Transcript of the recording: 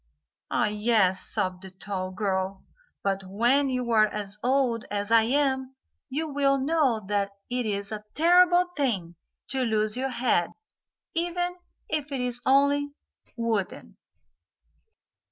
"Ah, yes," sobbed the tall girl. "But when you are as old as I am you will know that it is a terrible thing to lose your head, even if it is only wooden."